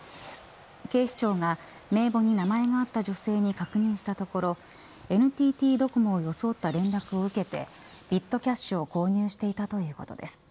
警視庁が名簿に名前があった女性に確認したところＮＴＴドコモを装った連絡を受けてビットキャッシュを購入していたということです。